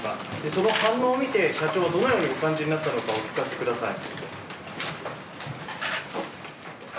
その反応を見て社長はどのようにお感じになったのかをお聞かせください。